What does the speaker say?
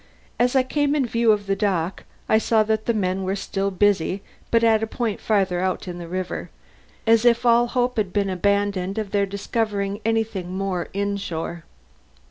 As I came in view of the dock, I saw that the men were still busy, but at a point farther out in the river, as if all hope had been abandoned of their discovering anything more inshore.